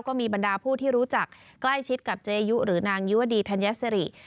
บรรดาผู้ที่รู้จักใกล้ชิดกับเจยุหรือนางยุวดีธัญสิริ